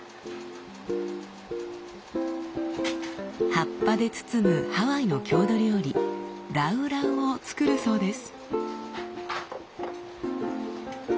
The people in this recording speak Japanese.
葉っぱで包むハワイの郷土料理ラウラウを作るそうです。